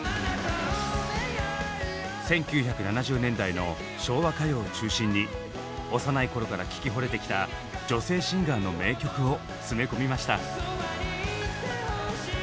１９７０年代の昭和歌謡を中心に幼い頃から聴きほれてきた女性シンガーの名曲を詰め込みました。